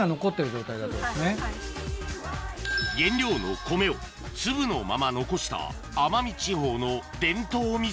・はい・原料の米を粒のまま残した奄美地方の伝統味噌